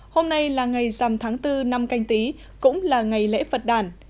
hôm nay là ngày dằm tháng bốn năm canh tí cũng là ngày lễ phật đàn